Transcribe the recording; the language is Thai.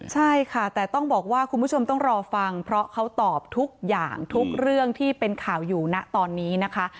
ใช่ค่ะแต่ต้องบอกว่าคุณผู้ชมต้องรอฟังเพราะเขาตอบทุกอย่างทุกเรื่องที่เป็นข่าวอยู่นะตอนนี้นะคะ